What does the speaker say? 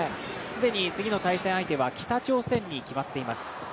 既に次の対戦相手は北朝鮮に決まっています。